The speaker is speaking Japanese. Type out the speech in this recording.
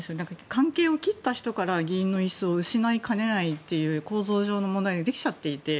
関係を切った人から議員の椅子を失いかねないという構造上の問題ができちゃっていて。